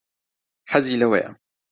حەزی لەوەیە.